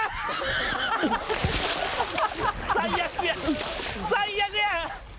最悪や最悪や！